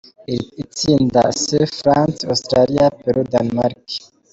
Itsinda C: France, Australia, Peru, Denmark.